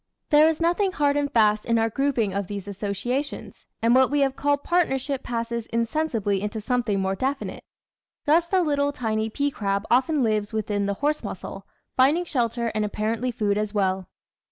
There is noth ing hard and fast in our grouping of these associations, and what we have called partnership passes insensibly into something more definite. Thus the little tiny pea crab often lives within the horse mussel, finding shelter and apparently food as well.